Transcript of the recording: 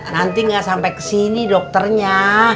nanti nggak sampai kesini dokternya